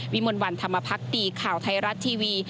วิมวลวันธรรมภักดีข่าวไทยรัตน์ทีวี